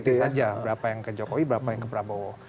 itu saja berapa yang ke jokowi berapa yang ke prabowo